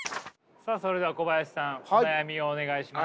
さあそれでは小林さんお悩みをお願いします。